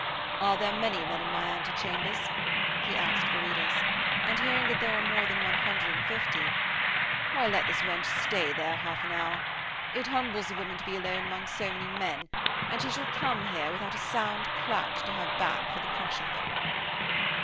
'Are there many men in my antechambers?' he asked Viridus, and hearing that there were more than one hundred and fifty: 'Why, let this wench stay there a half hour. It humbles a woman to be alone among so many men, and she shall come here without a sound clout to her back for the crush of them.'